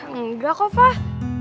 enggak kok fah